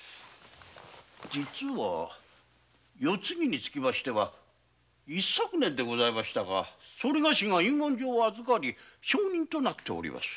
実は世継ぎにつきましては一昨年でございましたかそれがしが遺言状を預かり証人となっております。